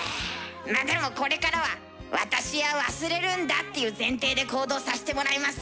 まあでもこれからは私は忘れるんだっていう前提で行動させてもらいます。